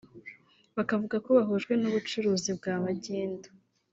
bakavugako bahujwe n’ubu Bucuruzi bwa magendu